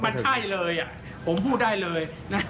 มันใช่เลยผมพูดได้เลยนะ